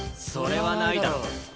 それはないだろ。